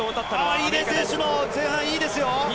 入江選手、前半いいですよ。